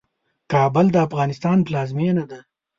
کابل د افغانستان پلازمينه ده.